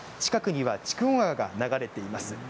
近くには筑後川が流れています。